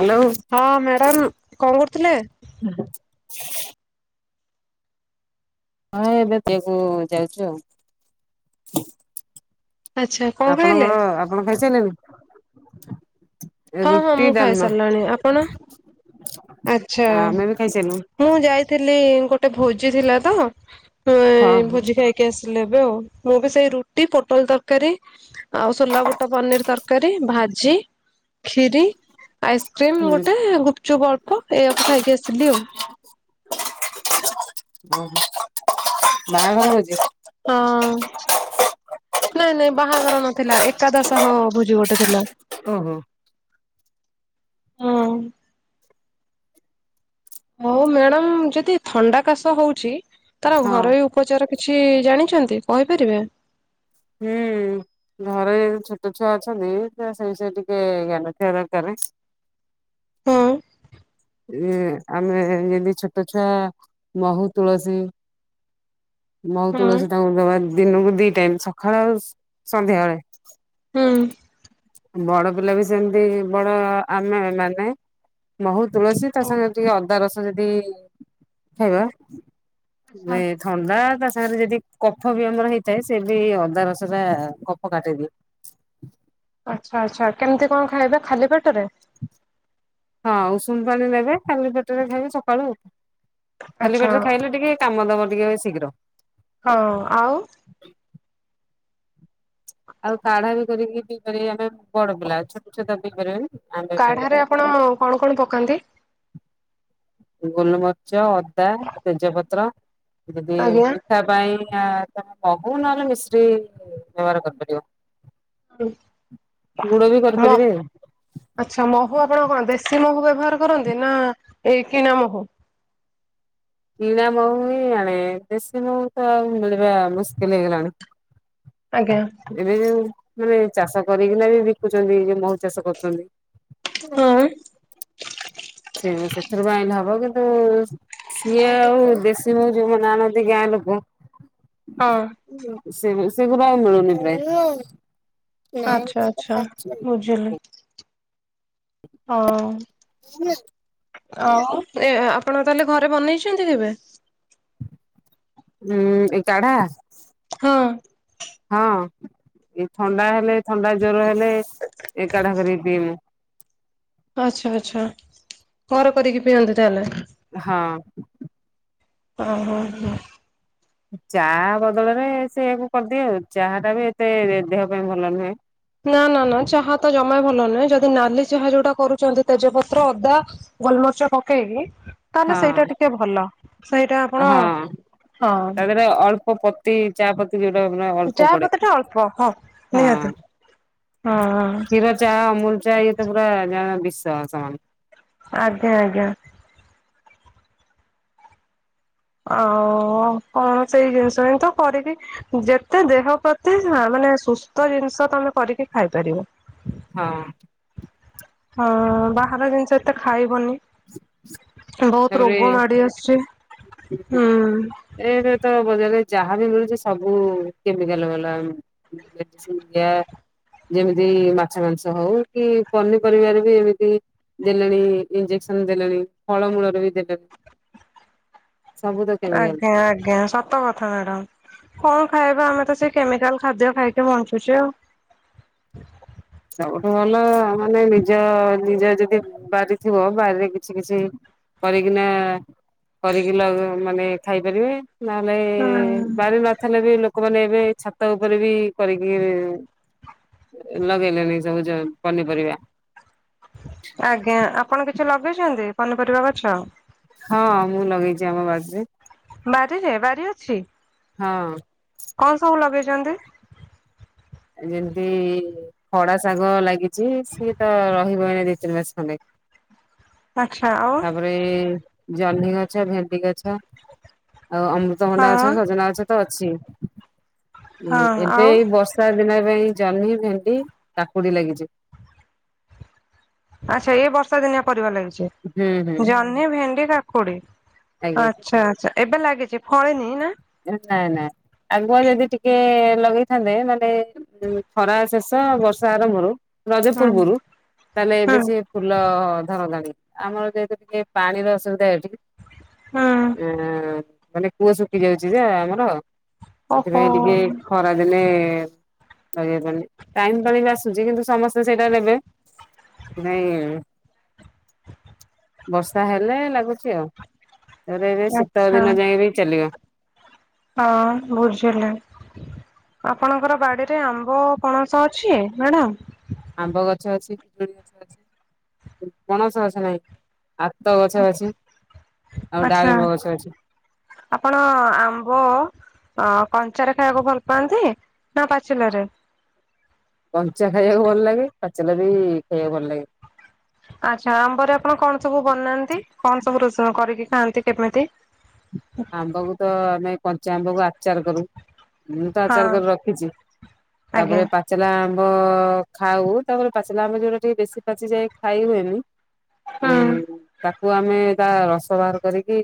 Hello. ହଁ madam କଣ କରୁଥିଲେ? ହଁ ଏବେ ଦେଏକୁ ଯାଉଛୁ ଆଉ। ଆଚ୍ଛା କଣ ଖାଇଲେ? ଆପଣଙ୍କର ଆପଣ ଖାଇ ସାରିଲେନଣି? ହଁ ହଁ ମୁଁ ଖାଇ ସାରିଲାଣି ଆପଣ? ଆଛା ଆମେ ବି ଖାଇସାରିଲୁଣି। ମୁଁ ଯାଇଥିଲି ଗୋଟେ ଭୋଜି ଥିଲା ତ ହଁ ଏଁ ହଁ ଭୋଜି ଖାଇକି ଆସିଲି ଏବ ବ ଆଉ ମୁଁ ବି ସେଇ ରୁଟି ପୋଟଳ ତରକାରୀ ଆଉ ସୋଲା ବୁଟ ପନିର ତରକାରୀ ଭା ଚି ଖିରି ଆଇସ୍କ୍ରିମ ହୁଁ ଗୋଟେ ଆଉ ଗୁପଚୁପ୍ ଅଳ୍ପ ଏଇଆକୁ ଖାଇକି ଆସିଲି ଆଉ। ଓହୋ ବାହଘର ଭୋଜି? ହଁ। ନାଇଁ ନାଇଁ ବାହାଘର ନଥିଲା ଏକାଦସହ ଭୋଜି ଗୋଟେ ଥିଲା। ଓହୋ ହଁ। ହଉ ମ୍ୟାଡ଼ାମ ଯଦି ଥଣ୍ଡା କାଶ ହଉଛି ତାର ହଁ ଘରୋଇ ଉପଚାର କିଛି ଜାଣିଛନ୍ତି କହିପାରିବେ? ହୁଁ। ଘରେ ଛୋଟ ଛୁଆ ଅଛନ୍ତି ତ ସେଇ ବିଷୟରେ ଟିକେ ଜ୍ଞାନ ଥିବା ଦରକାରେ। ହଁ ଏଁ ଆମେ ଯେମତି ଛୋଟ ଛୁଆ ମହୁ ତୁଳସୀ ମହୁ ହଁ ତୁଳସୀ ତାଙ୍କୁ ଦବା ଦିନକୁ ଦି ଟାଇମ ସକାଳେ ଆଉ ସନ୍ଧ୍ୟାବେଳେ। ହଁ। ବଡ ପିଲା ବି ସେମିତି ବଡ ଆମେ ମାନେ ବହୁତ ତୁଳସୀ ତା ସାଙ୍ଗେ ଟିକେ ଅଦା ରସ ଯଦି ଖାଇବା ଆଛା ଥଣ୍ଡା ତାସ ସାଙ୍ଗରେ ଯଦି କଫ ବି ଆମର ହେଇଥାଏ ସେ ବି ଅଦା ରସ ଟା କଫ କାଟେଇଦିଏ। ହୁଁ। ଆଚ୍ଛା ଆଚ୍ଛା କେମିତି କଣ ଖାଇବେ ଖାଲି ପେଟରେ? ହଁ ଉଷୁମ ପାଣି ନେବେ ଖାଲି ପେଟରେ ଖାଇବେ ସକାଳୁ ଉଠ। ଖାଲି ଆଚ୍ଛା ପେଟରେ ଖାଇଲେ ଟିକେ କାମ ଦବ ଟିକେ ଶୀଘ୍ର। ହଁ ଆଉ ଆଉ କାଢା ବି କରିକି ପିଇପାର ଆମେ ବଡ ପିଲା ଛୋଟ ଛୋଟ ପିଲା ପଢିପାରିବେନି। କାଢରେ ଆପଣ କଣ କଣ ପକାନ୍ତି? ଗୋଲମରିଚ, ଅଦା, ତେଜପତ୍ର, ଯଦି ଆଜ୍ଞା ମିଠା ପାଇଁ ତମେ ମହୁ ନହେଲେ ମିସ୍ତ୍ରୀ ବ୍ୟବହାର କରିପାରିବ। ଗୁଡ ବି ମ କରିପାରିବେ ଆଚ୍ଛା ମହୁ ଆପଣ କଣ ଦେଶୀ ମହୁ ବ୍ୟବହାର କରନ୍ତି, ନା ଏଇ କିଣା ମହୁ? କିଣା ମହୁ ହି ଆଣେ ଦେଶୀ ମହୁ ତ ଆଉ ମିଳିବା ମୁସ୍କିଲ ହେଇଗଲାଣି। ଆଜ୍ଞା ଏବେ ଯୋଉ ମାନେ ଚାଷ କରିକିନା ବି ବିକୁଛନ୍ତି ଯ ମହୁ ଚାଷ କରୁଛନ୍ତି। ହୁଁ। ହଁ ସେ ସେଥିରୁ ପାଇଁ ହବ କିନ୍ତୁ ସିଏ ଆଉ ଦେଶୀ ମଉ ଯୋଉମାନେ ଆଣହାନ୍ତି ଗାଁ ଲୋକ। ହୁଁ। ହଁ। ସେ ସେଗଡ଼ା ମିଳୁନି ପ୍ରୟ। ଆଚ୍ଛା ଆଚ୍ଛା ନାଇ ବୁଝିଲି। [unintelligible] ହଁ। ହୁଁ। ଆଉ ଆପଣ ତାହେଲେ ଘରେ ବନେଇଛନ୍ତି କେବେ? ହୁଁ ଏ କାଢା ହଁ। ହଁ ଏଇ ଥଣ୍ଡା ହେଲେ ଥଣ୍ଡା ଜ୍ୱର ହେଲେ ଏକାଠା କରି ପିଇମୁ। ଆଚ୍ଛା ଆଚ୍ଛା ଘର କରିକି ପିଅନ୍ତି ତାହେଲେ। ହଁ। ହ ହୋ ହୋ ଚା ବଦଳରେ ସେୟକୁ କରିଦିଏ ଆଉ ଚାହା ଟା ବି ଏତେ ଦେହ ପାଇଁ ଭଲ ନୁହେଁ। ନା ନା ନା ଚାହା ତ ଜମା ଭଲ ନୁହଁ ଯଦି ନାଲି ଚାହା ଯୋଉଟା କରୁଛନ୍ତି, ତେଜପତ୍ର ଅଦା ଗୋଲମରିଚ ପକେଇକି ତାହେଲେ ହଁ ସେଇଟା ଟିକେ ଭଲ, ସେଇଟା ଆପଣ ହଁ ହଁ ତା ଦେହରେ ଅଳ୍ପ ପତି ଚା ପତି ଯେଟା ଅଳ୍ପ ଚା ପରେ ପତି ଟା ଅଳ୍ପ ହଁ। ନିହାତି ହଁ କ୍ଷୀର ଚା ଅମୁଲ ଚା ଇଏ ତ ପୁରା ବିଷ ସମାନ। ଆଜ୍ଞା ଆଜ୍ଞା। ଆଉ କଣ ସେଇ ଜିନିଷ ତ କରିବି ଯେତେ ଦେହ ପ୍ରତି। ମାନେ ସୁସ୍ଥ ଜିନିଷ ତମେ କରିକି ଖାଇପାରିବ। ହଁ। ହଁ ବାହାର ଜିନିଷ ଏତେ ଖାଇବନି। ବହୁତ ତାପରେ ରୋଗ ମାଡି ଆସିଛି। ଏବେ ତ ବ ଯାହାବ ମିଳୁଛି ସବୁ କେମିକାଲ ବାଲା ଯେମିତି ମାଛ ମାଂସ ହଉ, କି ପନିପରିବାରେ ବି ଏମିତି ଦେଲାଣି ଇଞ୍ଜେକ୍ସନ ଦେଲେଣି, ଫଳମୂଳରେ ବି ଦେଵେ ଆଜ୍ଞା ଆଜ୍ଞା, ସତ କଥା ମ୍ୟାଡାମ କଣ ଖାଇବା ଆମେ ସେ କେମିକାଲ ଖାଦ୍ୟ ଖାଇକି ବଞ୍ଚୁଛି ଆଉ ସବୁଠୁ ଭଲ ମାନେ ନିଜ ନିଜ ଯଦି ବାରି ଥିବ ବାରିରେ କିଛି କିଛି କରିକିନା, କରିକି ମାନେ ଖାଇପାରିବେ ନହେଲେ ହୁଁ ବାରି ନଥିଲେ ବି ଲୋକ ଲୋକମାନେ ଏବେ ଛାତ ଉପରେ ବି କରିକି ଲଗେଇଲେଣିି ସବୁ ପନିପରିବା ଆଜ୍ଞା। ଆପଣ କିଛି ଲଗେଇଛନ୍ତି ପନିପରିବା ଗଛ? ହଁ ମୁଁ ଲଗେଇଛି ଆମ ବାଡ଼ିରେ ବାରିରେ? ବାରି ଅଛି---? ହଁ କଣ ସବୁ ଲଗେଇଛନ୍ତି? ଯେମିତି ଖଡା ଶାଗ ଲାଗିଛି, ସିଏ ତ ରହିବ ନା ଦି ତିନି ମାସ ଖଣ୍ଡେ ଆଚ୍ଛା ଆଉ ତାପରେ ଜହ୍ନି ଗଛ, ଭେଣ୍ଡି ଗଛ ଆଉ ଅମୃତଭଣ୍ଡା ହଁ ଗଛ, ସଜନା ଗଛ ତ ଅଛି । ହଁ ଏବେ ଏଇ ବର୍ଷ ଦିନ ପାଇଁ ଜହ୍ନି, ଭେଣ୍ଡି, କାକୁଡି ଲାଗିଛି । ଆଚ୍ଛା। ଏଇ ବର୍ଷା ଦିନିଆ ପରିବା ଲାଗିଛି ହୁଁ ହୁଁ । ଜହ୍ନି, ଭେଣ୍ଡି, କାକୁଡି, ଆଛା ଆଜ୍ଞା ଆଛା । ଏବେ ଲାଗିଛି ଫଳିନି ନା? ନାଇଁ ନାଇଁ ଆଗୁଆ ଯଦି ଟିକେ ଲଗେଇଥାନ୍ତେ, ମାନେ ଖରା ଶେଷ ବର୍ଷା ଆରମ୍ଭରୁ ରଜ ହୁଁ ପୂର୍ବୁରୁ ତାହେଲେ ହୁଁ ଏବେ ସିଏ ଫୁଲ ଧରନ୍ତାଣି। ଆମର ଯେହେତୁ ଟିକେ ପାଣିର ଅସୁବିଧା, ଏଠିକି ହୁଁ ଆ ମାନେ କୂଅ ଶୁଖି ଯାଉଛି ଯେ ଆମର, ଓହୋ ସେଥିପାଇଁ ଟିକେ ଖରାଦିନେ ଟାଇମ ଟାଇମ ଆସୁଛି, କିନ୍ତୁ ସମସ୍ତେ ସେଇଟା ନେବେ ସେ ନାଇ, ବର୍ଷା ହେଲେ ଲାଗୁଛି ଆଉ ଏବେ ଶୀତ ଆଚ୍ଛା। ଦିନ ଯାଇଏ ବି ଚାଲିବ [unintelligible] ହଁ ବୁଝିଲି। ଆପଣଙ୍କର ବାଡିରେ ଆମ୍ବ ପଣସ ଅଛି, ମ୍ୟାଡାମ -? ଆମ୍ବ ଗଛ ଅଛି, ପିଜୁଳି ଗଛ ଅଛି, ପଣସ ଗଛ ନାହିଁ ଆତ ଗଛ ଅଛିି ଆଛା, ଆପଣ ଆମ୍ବ ଅ କଞ୍ଚା ଖାଇବାକୁ ଭଲ ପାଆନ୍ତି ନା ପାଚିଲାରେ କଞ୍ଚା ଖାଇବାକୁ ଭଲ ଲାଗେ, ପାଚିଲା ବି ଖାଇବାକୁ ଭଲ ଲାଗେ । ଆଚ୍ଛା ଆମ୍ବରେ ଆପଣ କଣ ସବୁ ବନାନ୍ତି କଣ ସବୁ ରେସିପି କରିକି ଖାଆନ୍ତି କେମିତି? ଆମ୍ବକୁ ତ ଆମେ କଞ୍ଚା ଆମ୍ବ କୁ ଆଚାର କରୁ, ମୁଁ ତ ହଁ ଆଚାର କରି ରଖିଛି ତାପରେ ଆଜ୍ଞା ପାଚିଲା ଆମ୍ବ ଖାଉ ତାପରେ ପାଚିଲା ଆମର ଯୋଉଟା ଟିକେ ବେଶୀ ପାଚି ଯାଇ ଖାଇ ହୁଏନି ତା ହୁଁ ତାକୁ ଆମେ ତା ରସ ବାହାର କରିକି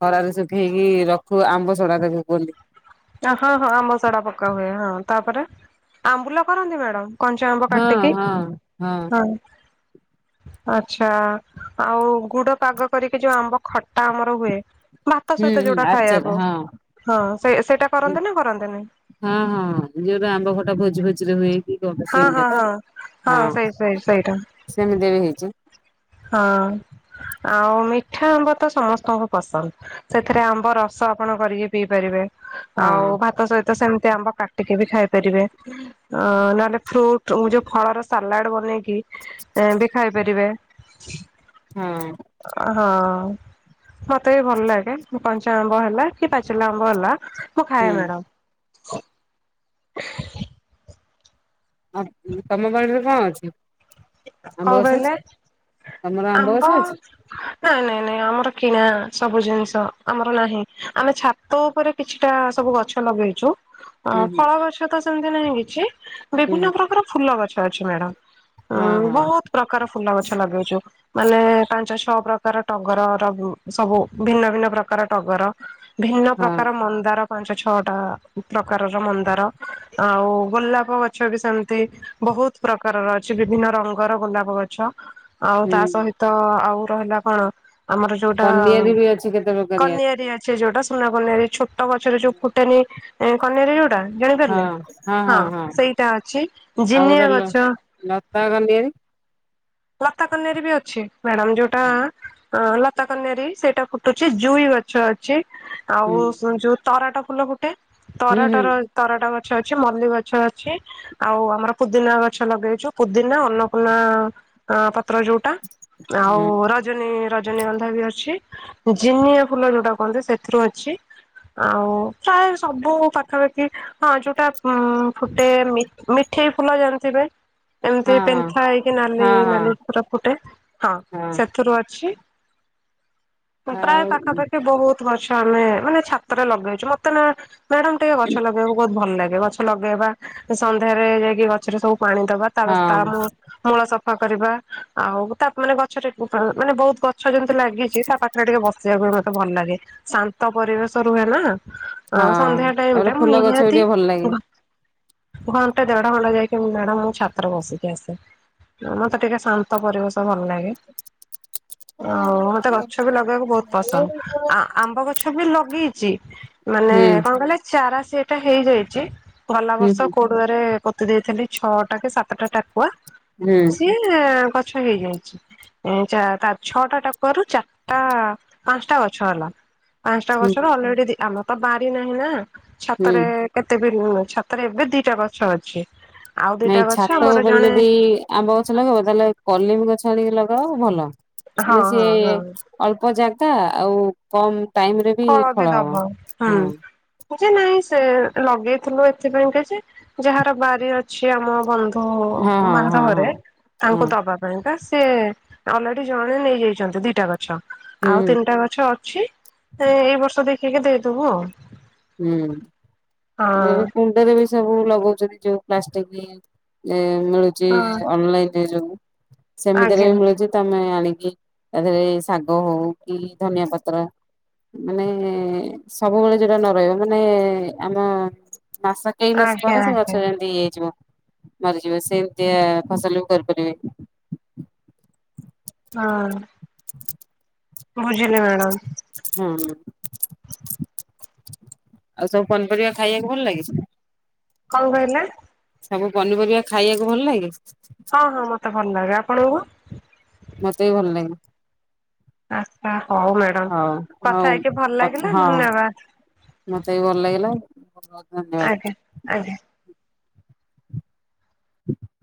ଖରାରେ ସେ ହେଇକି ରଖୁ ଆମ୍ବ ସଡା ତାକୁ କୁହନ୍ତି । ହଁ ହଁ ଆମ୍ବସଡା ପକା ହୁଏ, ହଁ ତାପରେ ଆମ୍ବୁଲ କରନ୍ତି ମ୍ୟାଡାମ---? କଞ୍ଚା ଆମ୍ୱ ହଁ କାଟିକି ହଁ ହଁ ଆଛା ଆଉ ଗୁଡ ପାଗ କରିକି ଯୋଉ ଆମ୍ବ ଖଟା ଆମର ହୁଏ ଭାତ ହୁଁ ସହିତ ହୁଁ ଯୋଉଟା ଆଚାର ଖାଇବାକୁ, ହଁ ହଁ ସେ ସେଇଟା କରନ୍ତି ନା କରନ୍ତିନି? ହଁ ହଁ ଯୋଉଟ ଆମ୍ବ ଖଟା ଭୋଜି ଭୋଜିରେ ହୁଏ କ ହଁ ହଁ ସେମ ତ ହଁ ହଁ ସେଇ ସେଇ ସେଇଟା ସେମିତି ବି ହେଇଛି [unintelligible] ହଁ ଆଉ ମିଠା ଆମ୍ବ ତ ସମସ୍ତଙ୍କୁ ପସନ୍ଦ, ସେଥିରେ ଆମ୍ବ ରସ ଆପଣ କରିକି ପିଇ ପାରିବେ । ଆଉ ହଁ ଭାତ ସହିତ ସେମିତି ଆମ୍ବ କାଟ ଟିକେ ବି ଖାଇ ପାରିବେ ଅ ନହେଲେ ଫ୍ରୁଟ ମୁଁ ଯୋଉ ଫଳର ସାଲାଡ ବନେଇକି ବି ଖାଇପାରିବେ ହଁ ହଁ ମତେ ବି ଭଲ ଲାଗେ କଞ୍ଚା ଆମ୍ବ ହେଲା କି ପାଚିଲା ଆମ୍ବ ହେଲା ମୁଁ ଖାଇ ହୁଁ। ମ୍ୟାଡାମ ଆଉ ତମ ବାଡିରେ କଣ ଅଛି ଆମ୍ବ କଣ ଗଛ କହିଲେ ଅଛି ତମର ଗଛ ଆମ୍ବ ଅଛି? ନାଇଁ ନାଇଁ ଆମର କିଣା ସବୁ ଜିନିଷ ଆମର ନାହିଁ ଆମେ ଛାତ ଉପରେ କିଛିଟା ସବୁ ଗଛ ଲଗେଇଛୁ ଅ ହୁଁ ହୁଁ ଫଳ ଗଛ ତ ସେମତି ନାହିଁ କିଛି ହୁଁ ବିଭିନ୍ନ ପ୍ରକାର ଫୁଲ ଗଛ ଅଛି ମ୍ୟାଡାାମ ହଁ ହଁ ବହୁତ ପ୍ରକାର ଫୁଲ ଗଛ ଲଗେଇଛୁ ମାନେ ପାଞ୍ଚ ଛ ପ୍ରକାର ଟଗରର ସବୁ ଭିନ୍ନ ଭିନ ପ୍ରକାର ଟଗର ଭିନ୍ନ ହଁ ପ୍ରକାର ମନ୍ଦାର ପାଞ୍ଚ ଛଅଟା ପ୍ରକାରର ମନ୍ଦାର ଆଉ ଗୋଲାପ ଗଛ ବି ସେମିତି ବହୁତ ପ୍ରକାରର ଅଛି ବିଭିନ୍ନ ରଙ୍ଗ ଗର ଗୋଲାପ ଗଛ ଆଉ ତା ହୁଁ। ସହିତ ଆଉ ରହିଲା କଣ ଆମର ଯୋଉଟା କନିଆରି ବି ଅଛି କେତେ ପ୍ରକାରିଆ କନିଆରି ଅଛି ଯୋଉଟା ସୁନା କନାରୀ ଛୋଟ ଗଛରେ ଯୋଉ ଫୁଟେନି କନରୀ ଯୋଉଟା ଜାଣିପାରିଲେ ହଁ ସେଇଟା ଅଛି ଆଉ ଗୋଟେ ଜିନିଆ ଲ ଗଛ ଲତା କନିଆରି ଲତା କନରୀ ବି ଅଛି ମ୍ୟାଡାମ ଯୋଉଟା ହୁଁ ହଁ ଲତା କନ୍ୟାରୀ ସେଇଟା ଫୁଟୁଛି ଜୁଇ ଗଛ ଅଛି ହୁଁ ଆଉ ତରାଟା ଫୁଲ ଗୋଟେ ହୁଁ ହୁଁ ତରାଟ ର ତରାଟା ମେ ଗଛ ଅଛି ମଲ୍ଲ ଗଛ ଅଛି ଆଉ ଆମର ପୁଦିନା ଗଛ ଲଗେଇଛୁ ପୁଦିନା ଅନ୍ନପୂର୍ଣ୍ ଅ ପତ୍ର ଯୋଉଟା ଆଉ ରଜନୀ ର ରଜନୀଗନ୍ଧା ବି ଅଛି ଜିନିଆ ଫୁଲ ଯୋଉଟା କୁହନ୍ତି ସେଥିରୁ ଅଛି ଆଉ ପ୍ରାୟ ସବୁ ପାଖାପାଖି ହଁ ଯୋଉଟା ଉ ଫୁଟେମି ମି ଏଠେଇ ଫୁଲ ଜାଣନ୍ତି ପାଇଁ ହଁ ଏମିତି ହଁ ହଁ ପେନ୍ଥା ହେଇକି ନାଲି ହଁ ହଁ ହେ ପୁର ପୁଟେ ହଁ ସେଥିରୁ ଅଛି ପ୍ରାୟ ଆଉ ପାଖାପାଖି ବହୁତ ଗଛ ଆମେ ମାନେ ଛାତରେ ଲଗେଇଛୁ ମତେ ନା ମ୍ୟାଡାାମ ଟିକେ ଗଛ ଲଗେଇବାକୁ ବହୁତ ଭଲ ଲାଗେ ଗଛ ଲଗେଇବା ସନ୍ଧ୍ୟାରେ ଯାଇକି ଗଛରେ ସବୁ ପାଣି ଦବା ତାର ହଁ ମୂଳ ସ କରିବା ଆଉ ତା ମାନେ ଗଛ ମାନେ ବହୁତ ଗଛ ଯେମିତି ଲାଗିଛି ତା ପାଖରେ ଟିକେ ବସ ସେଇୟ ମତେ ଭଲ ଲାଗେ ଶାନ୍ତ ପରିବେଶ ରୁହେ ନା ହଁ ସନ୍ଧ୍ୟା ହଁ ଟାଇମ ଟ ତାପରେ ମୁ ଫୁଲ ଗଛ ବି ନିହାତି ଟିକେ ଭଲ ଲାଗେ। ଘଣ୍ଟା ଦେଢ ଘଣ୍ଟା ଯାଇକି ମ୍ୟାଡାମ ମୁ ଛାତରେ ବସିକି ଆସେ ମତେ ଟିକେ ଶାନ୍ତ ପରିବେଶ ଭଲ ଲାଗେ ଆଉ ମତେ ଗଛ ବି ଲଗେଇବାକୁ ବହୁତ ହୁଁ ପସନ୍ଦ ଆ ଆମ୍ବ ଗଛ ସବୁ ଲଗେଇଛି ମାନେ ହୁଁ କଣ କହିଲେ ଚାରା ସେଟା ହେଇଯାଇଛି। ଗଲା ବର୍ଷ ହୁଁ କୋଡୁଆରେ ପୋତି ଦେଇଥିଲି ଛଅଟା କି ସାତଟା ଟାକୁଆ ସିଏ କଥା ଗଛ ହେଇଯାଇଛି ଛଅଟା ଟାକୁଆ ରୁ ଚାରିଟା ପାଞ୍ଚଟା ଗଛ ହେଲା ପାଞ୍ଚଟା ହୁଁ ଗଛର ଅଲରେଡି ଆମର ତ ବାରି ନାହିଁ ନା ହୁଁ ଛାତରେ କେତେ ଛାତରେ ଏବେ ଦିଟା ଗଛ ଅଛି। ଆଉ ଦିଟା ନାଇଁ ଗଛ ଛାତ ଆମର ଉପରେ ଜଣେ ଯଦି ଆମ୍ବ ଗଛ ଲଗେଇବ ତାହେଲେ କଲିମ ଗଛ ଆଣିକେ ଲଗ ଭଲ। ହଁ ମାନେ ସିଏ ହଁ ହଁ ଅଳ୍ପ ଜାଗା ଆଉ କମ୍ ଫଳ ବି ଦବ ହୁଁଛି ନାଇଁ ସେ ଲଗେଇ ଥିଲୁ ଏଥିପାଇଁ ଯେ ଯାହାର ବାରି ଅଛି ଆମ ବନ୍ଧୁ ହଁ ତ ହଁ ହଁ ମାଧଘରେ ହଁ ତାଙ୍କୁ ହଁ ଦବା ପାଇଁକା ସେ ଅଲରେଡି ଜଣେ ନେଇଯାଇଛନ୍ତି ଦିଟା ଗଛ ହୁଁ ଆଉ ତିନିଟା ଗଛ ଅଛି। ସେ ଏଇ ବର୍ଷ ଦେଖିକ ଦେଇଦେବୁ। ହୁଁ ହଁ ଏ କୁଣ୍ଡରେ ବି ସବୁ ଲଗ ଯୋଉ ପ୍ଲାଷ୍ଟିକ ମିଳୁଛି ହଁ ଅନଲାଇନରେ ଯୋଉ ସେମିତିଲେ ଆଜ୍ଞା ବି ମିଳୁଛି ତମେ ଆଣି ତା ଦେହରେ ଶାଗ ହଉ କି ଧନିଆ ପତ୍ର ମାନେ ସବୁବେଳେ ଯୋଉଟା ନ ରହିବ ମାନେ ଆମ ମାସ କେଇ ମାସ ଆଜ୍ଞା ପରେ ସେ ଗଛ ଆଜ୍ଞା ଏମିତି ହେଇଯିବ। ମରିଯିବ ସେମିତି ଫସଲ ବି କରିପାରିବେ। ହଁ। ବୁଝିଲି ମ୍ୟାଡାମ। ହୁଁ। ଆଉ ସବୁ ପନିପରିବା ଖାଇବାକୁ ଭଲ ଲାଗିଛି। କଣ କହିଲେ ସବୁ ପନିପରିବା ଖାଇବାକୁ ଭଲ ଲାଗେ? ହଁ ହଁ ମତେ ଭଲ ଲାଗେ ଆପଣଙ୍କୁ? ମତେ ବି ଭଲ ଲାଗ। ଆଛା ହଉ ମ୍ୟାଡାମ ହଉ କଥା ହେଇକି ଭଲ ଲାଗିଲା ହଁ ଧନ୍ୟବାଦ। ମତେ ବି ଭଲ ଲାଗିଲ ବହୁତ ବହୁତ ଧନ୍ୟବାଦ। ଆଜ୍ଞା ଆଜ୍ଞା [unintelligible]